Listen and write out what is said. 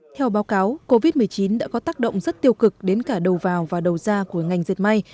theo báo cáo covid một mươi chín đã có tác động rất tiêu cực đến cả đầu vào và đầu ra của ngành dệt may